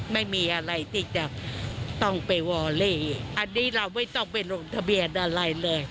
ไม่มีอะไรที่จะต้องไปวอเล่อันนี้เราไม่ต้องไปลงทะเบียนอะไรเลย